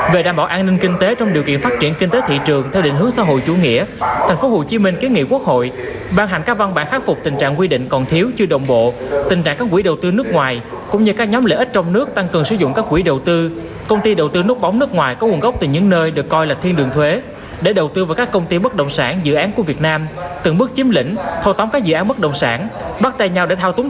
về đảm bảo an ninh kinh tế trong điều kiện phát triển kinh tế thị trường theo định hướng xã hội chủ nghĩa tp hcm ký nghị quốc hội ban hành các văn bản khắc phục tình trạng quy định còn thiếu chưa đồng bộ tình trạng các quỹ đầu tư nước ngoài cũng như các nhóm lợi ích trong nước tăng cường sử dụng các quỹ đầu tư công ty đầu tư nút bóng nước ngoài có nguồn gốc từ những nơi được coi là thiên đường thuế để đầu tư vào các công ty bất động sản dự án của việt nam từng bước chiếm lĩnh thô tóm các dự án bất động sản bắt tay nhau để thao túng